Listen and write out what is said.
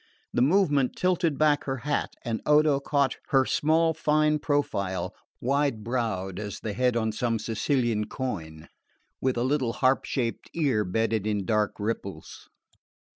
The movement tilted back her hat, and Odo caught her small fine profile, wide browed as the head on some Sicilian coin, with a little harp shaped ear bedded in dark ripples.